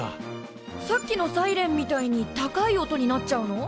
さっきのサイレンみたいに高い音になっちゃうの？